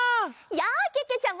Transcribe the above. やあけけちゃま！